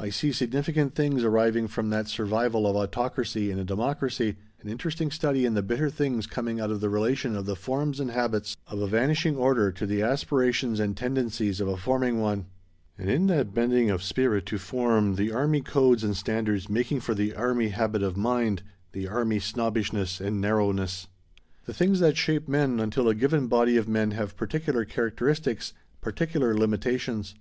I see significant things arising from that survival of autocracy in a democracy, an interesting study in the bitter things coming out of the relation of the forms and habits of a vanishing order to the aspirations and tendencies of a forming one. And in that bending of spirit to form, the army codes and standards making for the army habit of mind, the army snobbishness and narrowness. The things that shape men, until a given body of men have particular characteristics, particular limitations.